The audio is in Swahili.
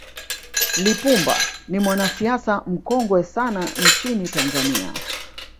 lipumba ni mwanasiasa mkongwe sana nchini tanzania